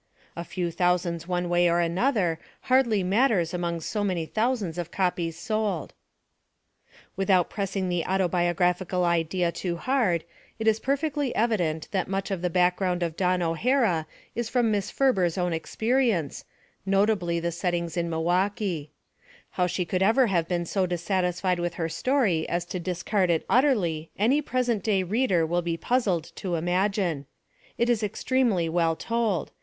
A few thousands one way or another hardly matters among so many thousands of copies sold! 294 THE WOMEN WHO MAKE OUR NOVELS Without pressing the autobiographical idea too hard it is perfectly evident that much of the background of Dawn O'Ham is from Miss Ferber's own experience, notably the settings in Milwaukee. How she could ever have been so dissatisfied with her story as to dis card it utterly any present day reader will be puzzled to imagine. It is extremely well told.